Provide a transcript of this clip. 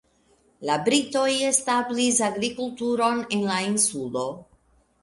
La britoj establis agrikulturon en la insulo.